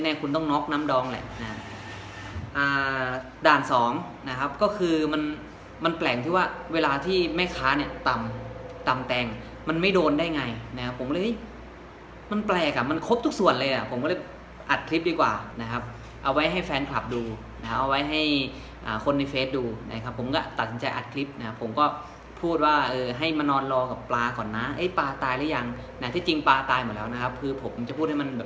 อย่างที่ว่าเวลาที่แม่ค้าเนี้ยตำตำแตงมันไม่โดนได้ไงนะฮะผมเลยมันแปลกอ่ะมันครบทุกส่วนเลยอ่ะผมก็เลยอัดคลิปดีกว่านะฮะเอาไว้ให้แฟนคลับดูนะฮะเอาไว้ให้อ่าคนในเฟสดูนะฮะผมก็ตัดสัญญาอัดคลิปนะฮะผมก็พูดว่าเออให้มานอนรอกับปลาก่อนน่ะเอ้ยปลาตายหรือยังน่ะที่จริงปลาตายหม